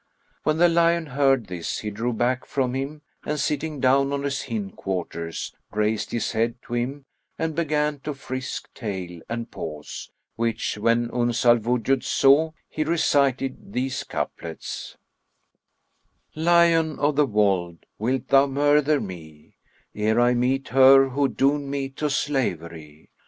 When the lion heard this, he drew back from him and sitting down on his hindquarters, raised his head to him and began to frisk tail and paws; which when Uns al Wujud saw, he recited these couplets, "Lion of the wold wilt thou murther me, * Ere I meet her who doomed me to slavery?